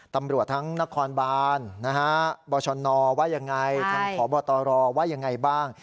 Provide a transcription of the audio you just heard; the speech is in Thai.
ตำรวจทั้งนครบานบชนว่ายังไงทางพบตรว่ายังไงบ้าง